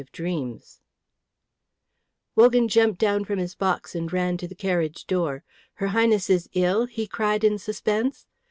CHAPTER XV Wogan jumped down from his box and ran to the carriage door. "Her Highness is ill?" he cried in suspense.